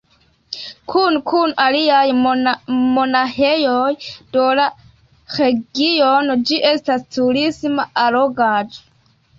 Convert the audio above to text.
Kune kun aliaj monaĥejoj de la regiono ĝi estas turisma allogaĵo.